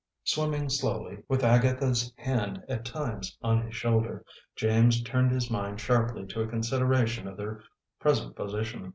Swimming slowly, with Agatha's hand at times on his shoulder, James turned his mind sharply to a consideration of their present position.